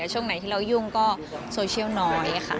ช่วงไหนที่เรายุ่งก็โซเชียลน้อยค่ะ